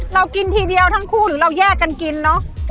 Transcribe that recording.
เรากินทีเดียวทั้งคู่หรือเราแยกกันกินเนอะ